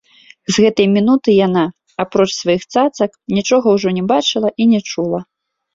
З гэтай мінуты яна, апроч сваіх цацак, нічога ўжо не бачыла і не чула.